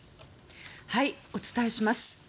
お伝えします。